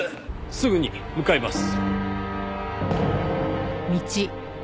すぐに向かいます。